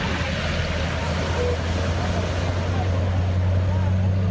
กลับบื้อไม่ได้เลยโรงงานไม่มีที่เอาเลย